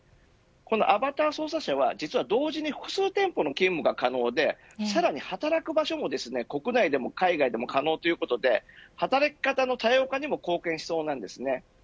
アバター操作者は同時に複数店舗の勤務も可能でさらに働く場所も国内でも海外でも可能ということで働き方の多様化にも貢献しそうです。